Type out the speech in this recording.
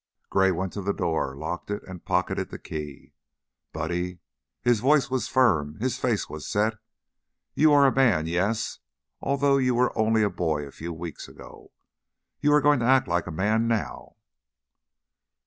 Gray went to the door, locked it and pocketed the key. "Buddy" his voice was firm, his face was set "you are a man, yes, although you were only a boy a few weeks ago. You are going to act like a man, now."